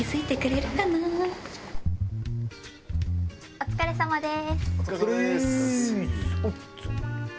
お疲れさまです。